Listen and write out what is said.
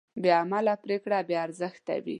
بېعمله پرېکړه بېارزښته وي.